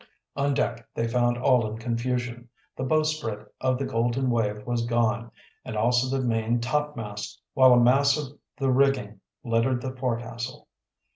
On deck they found all in confusion. The bowsprit of the Golden Wave was gone, and also the main topmast, while a mass of the rigging littered the forecastle.